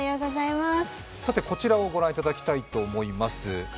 こちらをご覧いただきたいと思います。